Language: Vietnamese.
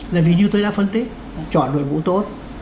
là vì như tôi đã phân tích chọn đội ngũ tốt